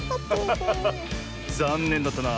ざんねんだったな。